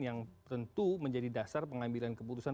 yang tentu menjadi dasar pengambilan keputusan